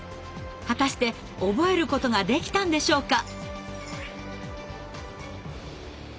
果たして覚えることができたんでしょうか？